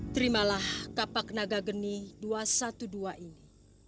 terimalah kapak naga geni dua satu dua ini